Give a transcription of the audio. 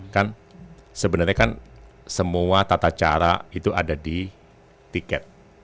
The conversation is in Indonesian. kan sebenarnya kan semua tata cara itu ada di tiket